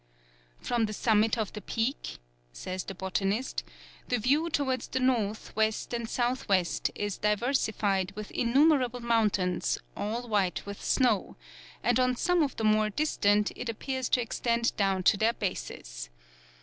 "From the summit of the peak," says the botanist, "the view towards the north, west, and south west, is diversified with innumerable mountains all white with snow, and on some of the more distant it appears to extend down to their bases.